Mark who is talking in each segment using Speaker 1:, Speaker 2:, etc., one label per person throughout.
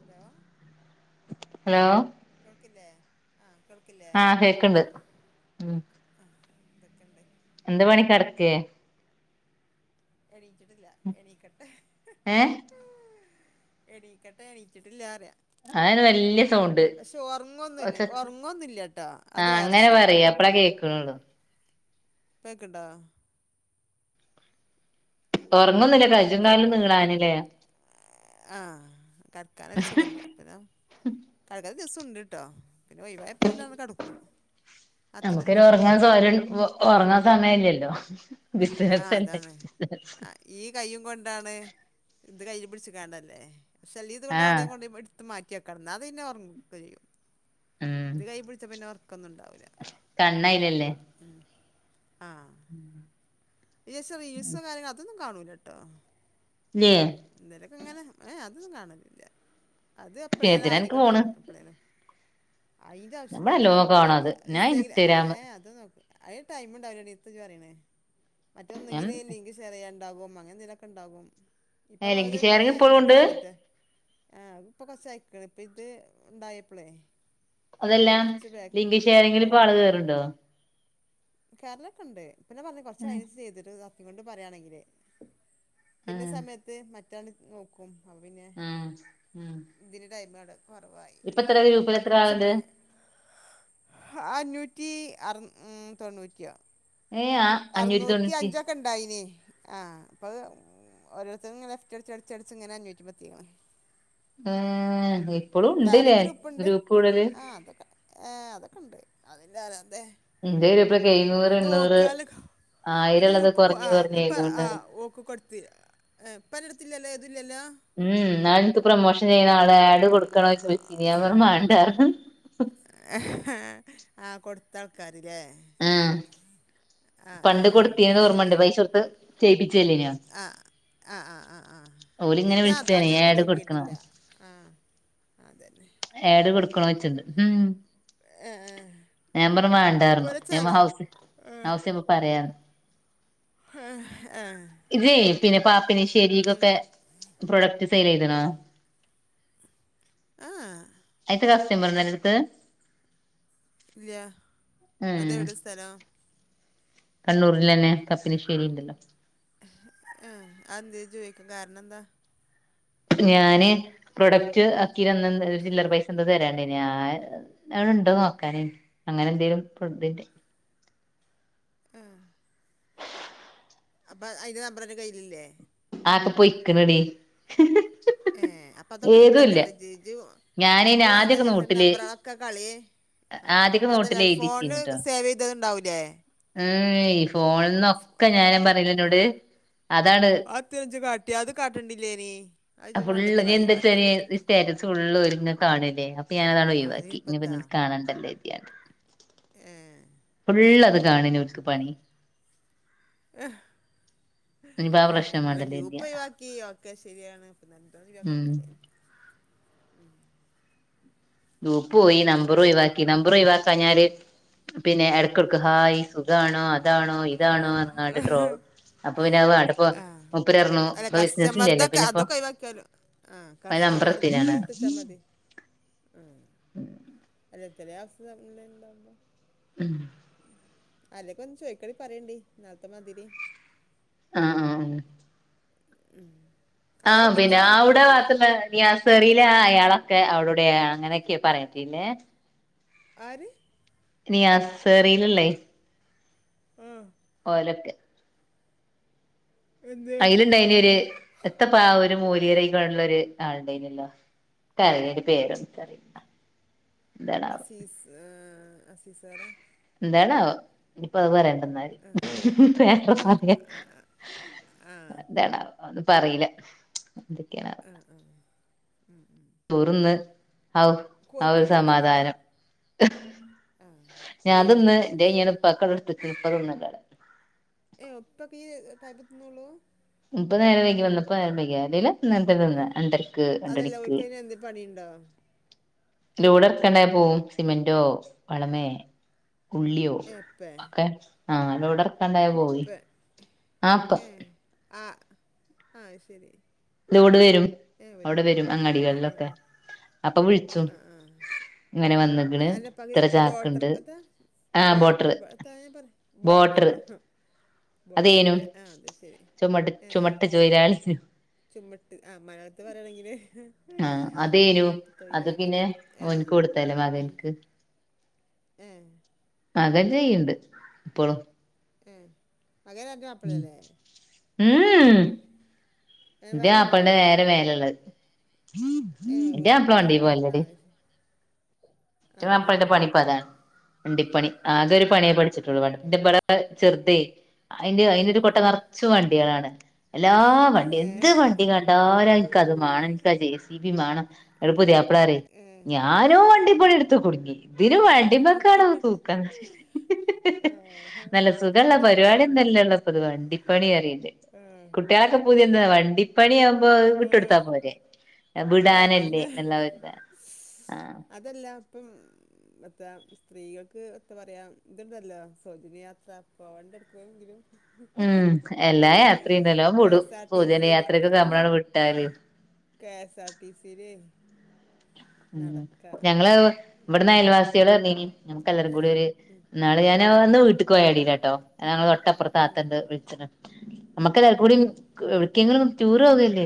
Speaker 1: Hello
Speaker 2: hello
Speaker 1: കേക്കില്ലേ
Speaker 2: ആഹ് കേക്ക്ണ്ട് ഉം
Speaker 1: എന്തൊക്കെണ്ട്
Speaker 2: എന്ത പണി കെടക്കേ
Speaker 1: എണീച്ചിട്ടില്ല എണീക്കട്ടെ ഹ്
Speaker 2: ഏഹ്
Speaker 1: ഹ് എണീക്കട്ടെ എണീച്ചിട്ടില്ലാറ്യ
Speaker 2: അതാണ് വല്യ സൗണ്ട്
Speaker 1: പക്ഷെ ഉറങ്ങൊന്നില്ല
Speaker 2: ഒച്ച
Speaker 1: ഉറങ്ങൊന്നില്ല ട്ടോ അത് വേറെ വിഷയം
Speaker 2: പ്പള കേക്ക്ണുള്ളൂ
Speaker 1: പെക്ക്ണ്ടാ
Speaker 2: ഉറങ്ങൊന്നില്ല
Speaker 1: ഇപ്പ
Speaker 2: കജ്ജും കാലും നീളാന്ല്ലേ
Speaker 1: ആഹ് കട്ക്കാന് സുഖല്ല പിന്നെ [unintelligible] ദിവസം ഉണ്ട്ട്ടോ അത്ര
Speaker 2: നമുക്കൊരു
Speaker 1: തന്നെ
Speaker 2: ഉറങ്ങാൻ സൊയല് ഉറങ്ങാൻ സമയല്ലല്ലൊ
Speaker 1: ആഹ് അതാണ് ഈ കയ്യും കൊണ്ടാണ് ഇത് കയ്യി പിടിച്ച്ക്കാണ്ടല്ലേ പക്ഷേ അല്ല ഇത് കൊണ്ട്
Speaker 2: ആഹ്
Speaker 1: എവിടെയും കൊണ്ടും എടുത്ത് മാറ്റി ക്കണം എന്നാ പിന്നെ ഉറങ്ങൊക്കെ ചെയ്യും
Speaker 2: ഉം
Speaker 1: ഇത് കൈപിടിച്ച പിന്നെ ഒർക്കൊന്നും ഇണ്ടാവില്ല
Speaker 2: കണ്ണയിലല്ലേ
Speaker 1: ഉം
Speaker 2: [inaudible]
Speaker 1: വേഷം റീൽസും കാര്യങ്ങളും അതൊന്നും കാണൂലട്ടോ
Speaker 2: ഇല്ല്യേ
Speaker 1: എന്തേലൊക്കെ ഇങ്ങനെ ഏഹ് അതൊന്നും കാണലില്ല അത് എപ്പളെല്ല
Speaker 2: എന്തിനാ അനക്ക്
Speaker 1: ആദ്യകം കാണ
Speaker 2: ഫോണ്
Speaker 1: എപ്പഴല അയിന്റെ ആവശ്യം അതും
Speaker 2: നമ്മളല്ലോ
Speaker 1: നോക്കൂല ഞാന്
Speaker 2: കാണത് ഞാൻ
Speaker 1: ഇസ
Speaker 2: ഇൻസ്റ്റഗ്രാമ്
Speaker 1: ഏഹ് അതൊന്നും നോക്കൂല അല്ലെ ടൈം ഉണ്ടാവില്ലടീ [unintelligible]
Speaker 2: ഞാൻ
Speaker 1: മറ്റൊന്നെങ്കില് ലിങ്ക് ഷെയർ ചെയ്യ ഉണ്ടാാവും അങ്ങൻത ഇതൊക്കെ ഉണ്ടാകും ഇപ്പൊ
Speaker 2: ഏഹ് ലിങ്ക്
Speaker 1: അത്
Speaker 2: ഷെയറിങ്
Speaker 1: കൊറെആയി
Speaker 2: ഇപ്പളും ഉണ്ട്
Speaker 1: ചെയ്തിട്ടെ ആഹ് ഇപ്പൊ കൊർച്ചയ്ക്ക്ണ് ഇപ്പ ഇത് ഉണ്ടായപ്പോളേ
Speaker 2: അതെല്ലാ ലിംഗ് ശേർങ്കില് ഇപ്പോ ആള് കേറ്ണ്ടോ
Speaker 1: കേർനൊക്കെണ്ട് പിന്നെ പറഞ്ഞു കൊറച്ച
Speaker 2: ഉം
Speaker 1: അയന് ചെയ്തിട്ട് [unintelligible] കൊണ്ട് പറയയാണെങ്കേ പിന്നെ
Speaker 2: ഉം
Speaker 1: സമയത്ത് മറ്റാണ് നോക്കും അ പിന്നെ
Speaker 2: ഉം ഉം
Speaker 1: ഇതിന്റെ ടൈമട
Speaker 2: ഇപ്പ എത്രഗ്രൂപ്പിൽ എത്ര ആളുണ്ട്
Speaker 1: അഞ്ഞൂറ്റി അറ തൊണ്ണൂറ്റിയോ
Speaker 2: ഏ ആ അഞ്ഞൂറ്റി
Speaker 1: അറനൂറ്റി
Speaker 2: തൊണ്ണൂറ്റി
Speaker 1: അഞ്ചൊക്കെ ഇണ്ടായിനി ആഹ് അപ്പൊ ഓരോര്ത്തര് ഇങ്ങനെ ലെഫ്റ്റ് അടച് ചടച്ച് അടച്ച് ഇങ്ങനെ അഞ്ഞൂറ്റി പ
Speaker 2: ഏ ഹ്
Speaker 1: വേറെ ഗ്രുപ്പ്ണ്ട് ആ അതൊക്കെ ആഏ അതൊക്കെണ്ട്
Speaker 2: എന്റെ ഗ്രൂപ്പിൽ എഴുനൂറ് എണ്ണൂറ്
Speaker 1: അന്റെ
Speaker 2: ആയിരള്ളത്
Speaker 1: ഗ്രൂപ്പ്‌ പോ
Speaker 2: കുറഞ്ഞ്
Speaker 1: ആ
Speaker 2: കുറഞ്ഞ്
Speaker 1: പ്പ ആ
Speaker 2: എഴുന്നൂറിന്
Speaker 1: ഓക്ക കൊടുത്തി
Speaker 2: ഉം ന്നാൾ എനിക്ക് പ്രൊമോഷൻ ചെയ്യുന്ന ആള് ആഡ് കൊടുക്കണോ [unintelligible] മണ്ടാര പറഞ്ഞു
Speaker 1: കൊടുത്ത ആൾക്കാരില്ലേ
Speaker 2: ഉം
Speaker 1: ആഹ്
Speaker 2: പണ്ട്
Speaker 1: ആഹ് അത്
Speaker 2: കൊടുത്തീന്ന് ഓർമ്മണ്ട്
Speaker 1: ശരി
Speaker 2: പൈസടുത്ത് ചെയ്യിപ്പിച്ചല്ലനാ
Speaker 1: ആ ആ ആ ആ പിന്നെ അ
Speaker 2: വിളിച്ചാണേ
Speaker 1: അങ്ങനെ ചെയ്ത്
Speaker 2: ആഡ് കൊടുക്കണോ
Speaker 1: നോക്കിട്ടില്ല ആ അതന്നെ
Speaker 2: ഏട് കൊടുക്കണ വെച്ചിണ്ട് ഉം
Speaker 1: ഏ, ഏ.
Speaker 2: ഞ പറഞ്ഞു മണ്ടാന്ന്
Speaker 1: പൊരച്ചാൽ
Speaker 2: ഞ ഹൗസി ആവുശ്യണ്ടാവുമ്പോൾ പറയാറഞ്ഞു
Speaker 1: ഹേ ഹായ്
Speaker 2: ഇതേ പിന്നെ പാപ്പിന ശെരിക്കൊക്കെ പ്രൊഡക്റ്റ് സെൽ ചെയ്തണ
Speaker 1: ഇഹ്ഹ്
Speaker 2: അയിത്ത കസ്റ്റമർ ണ്ടോ അന്റെ ടുത്ത്
Speaker 1: ഇല്ലയ അതെ എവിടെ സ്ഥലം
Speaker 2: കണ്ണൂരിൽന്നെ കപ്പിനശ്ശേരി ഇണ്ടല്ലോ
Speaker 1: ആഹ് അന്ത ചോയ്ക്ക് ക്ക കാരണന്ത
Speaker 2: ഞാന് പ്രൊഡക്റ്റ് അക്കിൽന്ന ചില്ലറ പൈസ എന്താ തരണ്ടേ ഞാ [unintelligible] ണ്ടോ നോക്കാനേ അങ്ങനെ എന്തേലും [unintelligible]
Speaker 1: ആഹ് അപ്പൊ അതിന്റെ നമ്പറിന് കയ്ല്ലില്ലേ
Speaker 2: ആക്കെ പോയിക്കനടി
Speaker 1: ഏ അപ്പൊ അതൊക്കെ എടുത്തക്കണ്ട് ജി ജി ജു
Speaker 2: ഞാനയ്ന്
Speaker 1: ഇത് വേണ്ടാന്ന്
Speaker 2: ആദ്യൊക്കെ
Speaker 1: വിചാരിച്
Speaker 2: നോട്ടില്
Speaker 1: നമ്പ്രളൊക്കെ കളിയെ ആ
Speaker 2: ആദ്യൊക്കെ നോട്ടില്
Speaker 1: അതല്ല അ ഫോണ് സേവ് ചെയ്തത്ണ്ടാവൂലേ
Speaker 2: ഏയ്‌ ഫോണന്നൊക്കെ ഞാന പറഞ്ഞല അന്നോട് അതാണ്
Speaker 1: തിരിച്ു കാട്ടിയ അത് കാട്ടണ്ടില്ലേനി അജ് മണ്ടത്തായി കാട്ടിയത്
Speaker 2: ഓല് ന്നെ കാണല്ലേ അപ്പൊ ഞാന അതാണ് ഒഴിവാക്കി ഇനിപ്പോ
Speaker 1: അതിനിപ്പത്താ
Speaker 2: കാണാണ്ടല്ല ഇതി
Speaker 1: ഏ
Speaker 2: ള്ളത് കാണിനക്ക് പണി
Speaker 1: ഏഹ്
Speaker 2: നിപ്പാ ആ പ്രശ്ന മാണ്ടല്ലോ കരുതിയ
Speaker 1: ഓക്കെ ശരിയാണ് പ്പൊ [unintelligible] വക്കേണ്ടില്ലേ ഉം
Speaker 2: നൂപ്പ പോയി നമ്പർ ഒഴിവാക്കി നമ്പർ ഒഴിവാക്കാം ഞ്ഞാല് പിന്നെ ഇടക്കിടക്ക് ഹായ് സുഖാണോ അതാണോ ഇതാണോ എന്ന് പറഞ്ഞട്ട് ട്രോൾ അപ്പൊ പിന്നെ അത് വാണ്ട ഇപ്പ
Speaker 1: ആ
Speaker 2: മുപ്പര രറഞ്ഞു
Speaker 1: അല്ല
Speaker 2: ഇപ്പൊ ബിസിന ഇല്ലല്ലോ പിന്നെപ്പൊ
Speaker 1: ആഹ് കസ്റ്റമർതൊക്കെ എടുത്തച്ചാ മതി
Speaker 2: ഉം
Speaker 1: [unintelligible]
Speaker 2: ഉം
Speaker 1: ആരേക്കൊന്ന് ചോയ്ക്കാണെ പറയേണ്ടി ഇന്നാൾത്ത മാതിരി
Speaker 2: ആ ആ ആ
Speaker 1: ഉം
Speaker 2: ആഹ് പിന്നെ അവ്ടെ ഭാഗത്ത്ള്ള നിയാസ് സെറീലെ അയാളാ എ അവിടെവിട്യാ അങ്ങനെക്കെ പറയാ പിന്നെ
Speaker 1: ആര്
Speaker 2: നിയാസെറീല്ള്ളേ
Speaker 1: ആ
Speaker 2: ഓലൊക്കെ
Speaker 1: എന്ത്
Speaker 2: അയ്ലിണ്ടായ്നൊരു എത്തപ്പ ആ ഒരു മോല്യേര് വ്ടള്ളൊര് ആള്ണ്ടേന്യല്ലോ എന്ക്കറീല അയിന്റെ പേരൊന്നും എന്ക്കറീല
Speaker 1: അസീസ് ഏ അസീസ് സാറ
Speaker 2: ന്താണാവോ ഇനിപ്പ അത് പറയാണ്ട വേറെന്താണാവോ
Speaker 1: ആ
Speaker 2: അറിയേല എന്തൊക്കെണാവോ
Speaker 1: ഉം ഉം
Speaker 2: തീറ്ന്ന് ഔ ആ ഒരു
Speaker 1: കോഴിക്കളുണ്ടടി ഇങ്ങളടെ
Speaker 2: സമാധാനം
Speaker 1: ആ
Speaker 2: ഞാൻ
Speaker 1: കോഴിണ്ടോ
Speaker 2: തിന്ന്
Speaker 1: വീട്ടില്
Speaker 2: ഇന്റെഴിഞ്ഞീണ് ഇപ്പാക്കവ്ടെ ഇട്ത്തെക്കാണ് ഇപ്പ തിന്ന്ണ്ടവ്ടെ
Speaker 1: ഏ ഉപ്പൊക്ക ഈ ടൈമ് തിന്നൊള്ളൂ
Speaker 2: ഇപ്പ നേരം വൈകി വന്നപ്പം നേരം വൈകിയതാ അല്ലേല് ഇന്നേരം തന്നെ രണ്ടരക്ക്
Speaker 1: അതല്ല
Speaker 2: രണ്ടണിക്ക്
Speaker 1: ഓൽക്ക് അതിന് എന്ത് പണിയുണ്ടോ
Speaker 2: ലോഡെറക്കാണ്ടായ പോവും സിമെന്റോ വളമേ ഉള്ളിയോ
Speaker 1: ഏ ഇപ്പേ
Speaker 2: ഒക്കെ ആ ലോഡെർ ണ്ടായ പോയി
Speaker 1: ഇപ്പേ
Speaker 2: ആപ്പ
Speaker 1: ഏ ആ ആഹ് ശരി
Speaker 2: ലോഡ് വരും
Speaker 1: ഏ ഒരു
Speaker 2: അവിടെ
Speaker 1: പൂ
Speaker 2: വരും
Speaker 1: ആ ആ
Speaker 2: അങ്ങാടികളിലൊക്കെ
Speaker 1: ആ
Speaker 2: അപ്പൊ വിള്ച്ചും
Speaker 1: ആ ആ
Speaker 2: ഇങ്ങനെ വന്ന് ക്ക്ണ്
Speaker 1: അൻ്റെ ഉപ്പാക്ക്
Speaker 2: ഇത്ര ചാക്ക്
Speaker 1: ബ്രോട്ടർ
Speaker 2: ഇണ്ട്
Speaker 1: എത്താ
Speaker 2: ആ
Speaker 1: ബ്രോട്ടർ
Speaker 2: ബോട്ടർ
Speaker 1: എത്താ ഞാൻ പറ
Speaker 2: ബോട്ടർ
Speaker 1: ബോട്ടറോ
Speaker 2: അതേനു
Speaker 1: ബോട്ടർല്ലേ ആ അത് ശരി
Speaker 2: ചുമട്ട്
Speaker 1: ഏ
Speaker 2: ചുമട്ട് തൊയിലാളി
Speaker 1: ചുമട്ട് ആ മലയാളത്ത് പറയാണെങ്കില്
Speaker 2: ആഹ്
Speaker 1: ചുമട്ട് തൊയിലാളി ഏ
Speaker 2: ടുത്തല്ലേ
Speaker 1: ഉം
Speaker 2: മകൻക്ക്
Speaker 1: ഏ
Speaker 2: അതെല്ലയ്യ്ണ്ട് ഇപ്പോളും
Speaker 1: ഉം ആ
Speaker 2: ഇം
Speaker 1: ഏ
Speaker 2: ഇത്
Speaker 1: വേറെയുണ്ടോ
Speaker 2: മാപ്പള്ടെ നേരെ മേലള്ളത്
Speaker 1: ഏ
Speaker 2: അന്റെ മാപ്പള
Speaker 1: ഓർക്ക്
Speaker 2: വണ്ടീ
Speaker 1: ആ
Speaker 2: പോവല്ലടീ
Speaker 1: ശ- ആ
Speaker 2: ഇന്റെ
Speaker 1: ആ
Speaker 2: മാപ്പളടെ
Speaker 1: ആ
Speaker 2: പണിപ്പതാ വണ്ടിപ്പണി ആകെ ഒരു
Speaker 1: ആ
Speaker 2: പണിയെ പഠിച്ചിട്ടുള്ളൂ ഇന്റപ്പരാ ചെറുതെ അയിന്റെ അയിന്റെ ഒരു കൊട്ട
Speaker 1: ഉം.
Speaker 2: നെറച്ച് വണ്ടികളാണ് എല്ലാ വണ്ടിം
Speaker 1: ഏ
Speaker 2: എന്ത് വണ്ടി കണ്ടാലും ഇൻക്കത് മാണം ഇൻക്കാ ജെ സി ബി മാണം ങ്ങട്ട് പുതിയാപ്ലപറിം
Speaker 1: ഏ
Speaker 2: ഞാനോ വണ്ടി പണിട്ത്ത് ട്ത്ത് കുട്ങ്ങി ഇതിന വണ്ടിമക്കാണ്ട് തൂക്കാച്ച്ട്ട്
Speaker 1: ഏ.
Speaker 2: നല്ല
Speaker 1: അപ്പൊ
Speaker 2: സുഖള്ള
Speaker 1: അത് കണ്ട് കണ്ട്
Speaker 2: പരിപാടിയൊന്നല്ലള്ളപ്പത് വണ്ടിപ്പണിയറിയിണ്ടത്
Speaker 1: ആ
Speaker 2: കുട്ട്യാളക്കെ പുതിയെന്താ വണ്ടിപ്പണി ആകുമ്പോ അത്
Speaker 1: ആ
Speaker 2: വിട്ടൊട്ത്താ പോരെ
Speaker 1: ആ
Speaker 2: ബിഡാനല്ലേന്ന്ള്ള
Speaker 1: അതന്നെ
Speaker 2: നെൽക്കാ ആ
Speaker 1: ഇപ്പത്താ സ്ത്രീകൾക്ക് എത്ത പറയാ ഇത്ണ്ടല്ലോ സാജന്യയാത്ര പോവണ്ടെ എട്ക്കെങ്കിലും
Speaker 2: ഉം എല്ലാ യാത്രിണ്ടെല്ലോ അത്
Speaker 1: കെ
Speaker 2: വിടും
Speaker 1: എസ് ആർ ടി സി
Speaker 2: സൗജന്യയാത്രൊക്കൊക്കെ ഞമ്മളാണ്ട് വിട്ടാല്
Speaker 1: കെ എസ് ആർ ടി സീല്
Speaker 2: ഉ ഞങ്ങള് ഇവിടെന്ന് അയൽവാസികള് പറഞ്ഞീനി നമുക്ക് എല്ലാർകൂടി ഒര്
Speaker 1: ഉം
Speaker 2: ന്നാള് ഞാന് ഒന്ന് വീട്ട്ക്കോയ എടീലാട്ടോ ഏ ഞങ്ങ തൊട്ടപ്പുറത്താത്തന്റെ വീച്ചന് നമ്മക്കെല്ലാർക്കും കൂടി ങ്ങള് ടൂർ പോവുകല്ലേ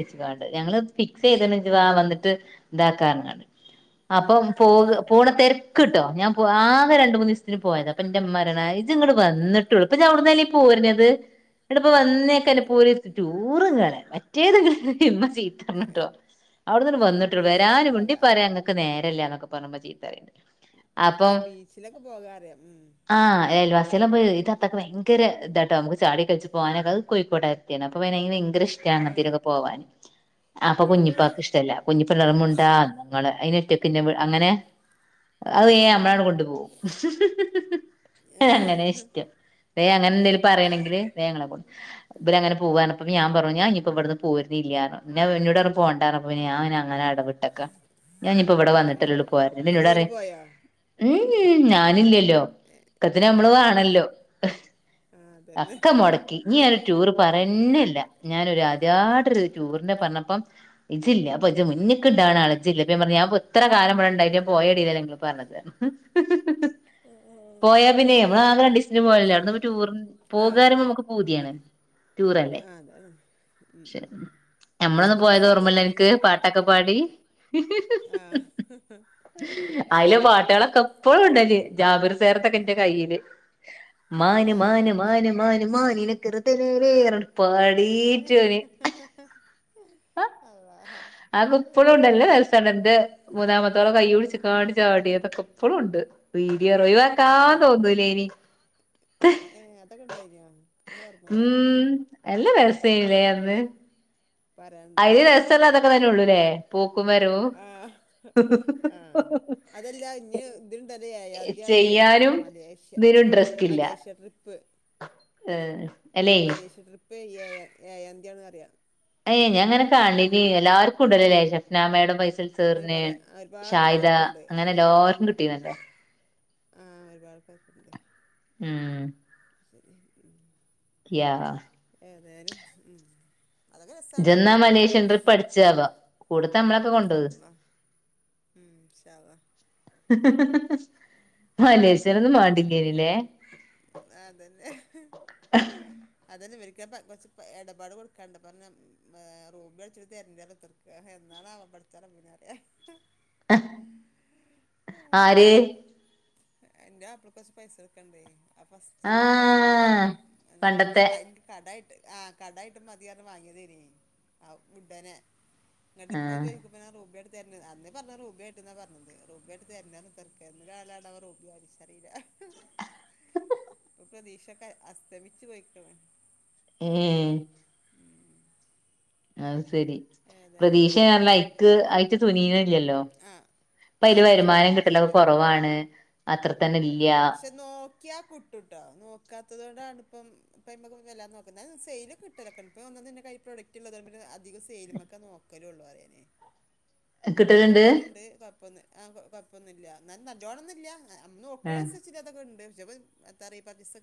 Speaker 2: ഞങ്ങള് ഫിക്സ് ചെയ്ത വന്നിട്ട് ഇതാക്കാറണ്ട് അ അപ്പൊ പോ
Speaker 1: ഏ
Speaker 2: പോണ തിരക്ക് കിട്ടോ ഞാൻ പോ ആകെ രണ്ട മൂന്ന് ദിവസത്തിന് പോയത് അപ്പൊ എന്റെ ഇമ്മ പറ [unintelligible] വന്നിട്ടുള്ളൂ ഇപ്പൊ ഞവിടന്നല്ലേ പോരഞ്ഞത് ഇടപ്പ വന്നേക്കെ പോല [unintelligible] ഇങ്ങനെ മറ്റേത് ഇങ്ങനെ ചീത്ത പറഞ്ഞു കേട്ടോ അവിടുന്ന് ഇങ്ങട്
Speaker 1: ഏ
Speaker 2: വന്നിട്ടുള്ളൂ
Speaker 1: ബീച്ചിലൊക്കെ
Speaker 2: വരാന് വണ്ടി
Speaker 1: പോകാ
Speaker 2: പറയാ ഇങ്ങക്ക് നേരല്ലന്നൊക്കെ പറഞ്ഞുമ്മ ചീത്ത പറേണ്ട്
Speaker 1: അല്ലെ ബീച്ചിലൊക്കെ പോകാറിയാം ഉം
Speaker 2: ചിലപ്പഴ് ഇത്താത്താക്ക് ഭയങ്കര ഇതാട്ടോ നമക്ക് ജടെക്കെ വെച്ച് പോകാനക്ക അത് കോഴികോട്ട് [unintelligible] അപ്പൊ [unintelligible] ഭയങ്കര
Speaker 1: ഏ.
Speaker 2: ഇഷ്ട്ടാണ് [unintelligible] പോവാൻ അപ്പൊ കുഞ്ഞിപ്പാക്ക് ഇഷ്ട്ടല്ല കുഞ്ഞിപ്പാ [unintelligible] [unintelligible] അങ്ങനെ അത്
Speaker 1: ഉം ഉം
Speaker 2: നമ്മളങ്ങട് കൊണ്ടുപോവും
Speaker 1: ഏ
Speaker 2: അങ്ങനെ ഇഷ്ട വേ അങ്ങനെ എന്തേലും
Speaker 1: ഏ
Speaker 2: പറയണെങ്കില്
Speaker 1: ഏ
Speaker 2: [unintelligible] ഇവര് അങ്ങനെ പോവാണ് അപ്പൊ ഞാൻ പറഞ്ഞു ഞാൻ ഇനിപ്പോ ഇവിടുന്ന് പോരുന്നില്യ എന്നു പറഞ്ഞു പിന്നെ എന്നോട് പറഞ്ഞു പോണ്ടാ പറഞ്ഞു അപ്പൊ പിന്നെ ഞാൻ അങ്ങന, അങ്ങന അവിടെ വിട്ടൊക്കെ ഞാനിപ്പോ ഇവിടെ വന്നിട്ടല്ലേയുള്ളൂ
Speaker 1: ഏ ഇങ്ങട് ഓല്
Speaker 2: പോവന്
Speaker 1: പോയോ
Speaker 2: [unintelligible] ഉം ഞാനില്ല [unintelligible] ഒക്കത്തിനു നമ്മള്
Speaker 1: ആ ആ
Speaker 2: വേണല്ലോ
Speaker 1: ആ അതന്നെ
Speaker 2: അക്ക മുടക്കി ഇനി ഒരു ടൂർ പറയുന്നില്ല ഞാനൊരു ആദ്യാട്ടൊരു ടൂറിനെ പറഞ്ഞ അപ്പ ഇതില്ല അപ്പൊ ഇത് മുന്നെക്ക് ഇണ്ടാണ് ആള് [unintelligible] അപ്പ ഞാൻ പറഞ്ഞു ഞാൻ ഇപ്പ എത്ര കാലം ഇവിടെണ്ടായിട്ടും [unintelligible] നിങ്ങൾ പറഞ്ഞത് പോയാ പിന്നെ നമ്മള് ആകെ രണ്ടീസത്തിന് പോയല്ലേ അവിടെന്ന് നമ്മള് ടൂറിന് പോകാരുമ്പോ നമ്മക്ക് പൂതിയാണ് ടൂറല്ലേ
Speaker 1: അ അതെ അതെ ഉം ഉം അല്ല
Speaker 2: ഞമ്മളന്ന്
Speaker 1: അത്
Speaker 2: പോയത്
Speaker 1: രസാണ്
Speaker 2: ഓർമ്മല്ല നിനക്ക് പാട്ടൊക്കെ പാടി
Speaker 1: ആഹ് ആഹ്
Speaker 2: എപ്പോഴും ഉണ്ടല്ല് ജാബിറ് [unintelligible] എന്റെ കയ്യില് മാന്
Speaker 1: ഏ
Speaker 2: മാന് മാന് മാന് മാനിനക്കര [unintelligible]
Speaker 1: അള്ളാ
Speaker 2: അത് ഇപ്പഴും ഉണ്ടല്ലേ [unintelligible] മൂന്നാമത്തോള കൈയും പിടിച്ച്
Speaker 1: ഉം
Speaker 2: കാണചാടി അതൊക്കെ ഇപ്പോളും ഉണ്ട് [unintelligible] ഒയിവാക്കാൻ തോന്നൂലേനി
Speaker 1: ഏ അതൊക്കെ ഇണ്ടായിനോ ഒന്നും ഓർമ്മല്ല
Speaker 2: ഉം നല്ല രസല്ലേ
Speaker 1: ഉം
Speaker 2: അന്ന്
Speaker 1: പറയാനുണ്ടോ
Speaker 2: അതില് രസമല്ലാതൊക്കെ തന്നെ ഉള്ളൂല്ലേ പൂ
Speaker 1: ആ ആ അതല്ല ഇഞ്ഞ് ഇത്ണ്ടല്ലോ
Speaker 2: [unintelligible] ചെയ്
Speaker 1: [unintelligible] പറയാ മലേഷ്യ മലേഷ്യ ട്രിപ്പ്
Speaker 2: ഏഹ് അല്ലേ
Speaker 1: മലേഷ്യ ട്രിപ്പ് ഏയാ എഴാന്തിയാണെന്നു അറിയാം
Speaker 2: ഏഹ് ഞാനങ്ങനെ [unintelligible] എല്ലാവർക്കും ഉണ്ടല്ലേ ശസ്ന മേടം പൈസ്
Speaker 1: അങ്ങനെ കൊറെ
Speaker 2: [unintelligible]
Speaker 1: ഒരുപാട്
Speaker 2: ഷാഇദ
Speaker 1: ആൾക്കാർക്ക്ണ്ട്
Speaker 2: അങ്ങനെ
Speaker 1: ആ
Speaker 2: എല്ലാർക്കും കിട്ടീന്നല്ലോ
Speaker 1: ആഹ് ഒരുപാട് പേർക്കുണ്ട്
Speaker 2: ഉം
Speaker 1: ശരി ഉം
Speaker 2: യാ
Speaker 1: ഏതായാലും ഉം അതൊക്കെ
Speaker 2: ജ്ജ്
Speaker 1: രസാണ്
Speaker 2: എന്നാ മലേഷ്യൻ ട്രിപ്പ് അടിച്ചാവാ കൂടെ
Speaker 1: അള്ളാ ഉം ഇൻഷാ അള്ളാ
Speaker 2: [unintelligible] മലേഷ്യയൊന്നും
Speaker 1: കൊണ്ടോകും
Speaker 2: [unintelligible]
Speaker 1: അതന്നെ അതന്നെ ഇവരി [unintelligible] ഇടപാട് കൊടുക്കാണ്ട് പറഞ്ഞു റോബി കളിച്ച [unintelligible] എന്നണാവോ പടച്ച റബ്ബിനറിയാം
Speaker 2: ആര്
Speaker 1: എന്റെ മാപ്പിളക്ക് കുറച്ച് പൈസ കൊടുക്കണ്ടേ ആ ഫസ്റ്റ്ല് പ്രൊഡക്റ്റ്ട് വിക്കാം
Speaker 2: ആഹ്
Speaker 1: ന്നാ
Speaker 2: പണ്ടത്തെ
Speaker 1: കയ് കടായ്ട്ട് ആ കടായ്ട്ട് മതീന്ന് പറഞ്ഞ് വാങ്ങിയതേനി ആ ഉടനെ എന്നിട്ട് ഇപ്പ അത്
Speaker 2: ആഹ്
Speaker 1: ചോദിക്കുമ്പോ പറ രൂപയായിട്ട് തരണ് അന്ന് പറഞ്ഞത് രൂപയായിട്ടെന്ന പറഞ്ഞത് രൂപയായിട്ട് തരണന്ന് നോക്കാം [unintelligible] പ്രേതീശയൊക്കെ അസ്തമിച്ച് പോയ്ക്ക്ണ്
Speaker 2: ഏ അത്ശെരി
Speaker 1: ഏതായാലും ഉം.
Speaker 2: പ്രതീക്ഷയറ്ഞ്ഞയ്ക്ക് അയ്ക്ക് തുനിയ്ണ്ല്ലല്ലോ
Speaker 1: ആ ആ
Speaker 2: പ്പയ്ൽ
Speaker 1: അതാണ്
Speaker 2: വര്മാനം കിട്ടലൊക്കെ
Speaker 1: ഒന്നാമതേ
Speaker 2: കൊറവാണ് അത്ര തന്നെല്ല്യാ
Speaker 1: ക്ക്യാ കുട്ടുട്ടോ നോക്കാത്തതോണ്ടാണ്പ്പം [unintelligible] എല്ലാം നോക്കുന്നെ സെയിൽ കിട്ടലൊക്കെണ്ട് [unintelligible] ന്ന്ൻ്റെകയ്യ്ല് പ്രൊഡക്റ്റ്ള്ളതൊണ്ടെന്നെ അധികും സെയ്ല്മക്കാ നോക്കലൊള്ളു ആദ്യന്നെ ഒഴിച്ച്
Speaker 2: കിട്ടല്ണ്ട്
Speaker 1: പോല്ണ്ട് കൊഴ്പ്പൊന്നു ആ കൊയ് കൊഴ്പ്പൊന്നുല്ല ന്നാലും നല്ലോണൊന്നുല്ല [unintelligible]
Speaker 2: ആഹ്
Speaker 1: കേസ്ച്ച്ല്ലാത്തൊക്കേണ്ട് [unintelligible] [unintelligible]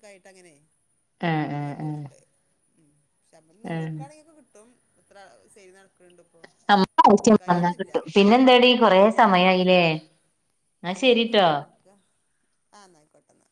Speaker 2: ആഹ്
Speaker 1: ക്കായ്ട്ടങ്ങനെ
Speaker 2: ആഹ്
Speaker 1: [unintelligible]
Speaker 2: ആഹ്
Speaker 1: പോവ്ണ്ട് ക്ഷെ നമ്മ
Speaker 2: ആഹ്
Speaker 1: നോക്കാണെങ്കിഒക്കെ കിട്ടും എത്ര സെയ്ൽ നട
Speaker 2: നമ്മക്ക് ആവശ്യം വന്നാ കിട്ടും പിന്നെന്താടി കൊറെ
Speaker 1: ആ
Speaker 2: സമയായിലേ ന്നാ ശെരിട്ടോ
Speaker 1: പെട്ടെന്ന്